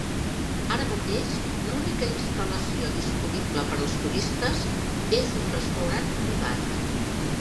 Ara mateix, l'única instal·lació disponible per als turistes és un restaurant privat.